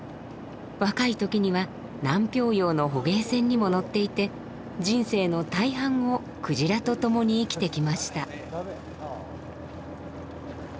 若い時には南氷洋の捕鯨船にも乗っていて人生の大半を鯨とともに生きてきました。